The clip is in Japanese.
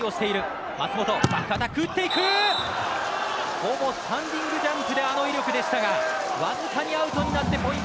ほぼスタンディングジャンプであの威力でしたがわずかにアウトになってポイント